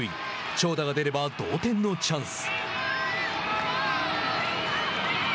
長打が出れば同点のチャンス。